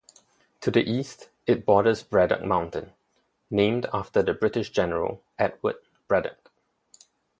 To the east, it borders Braddock Mountain, named after the British general Edward Braddock.